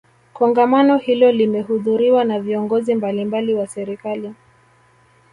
kongamano hilo limehudhuriwa na viongozi mbalimbali wa serikali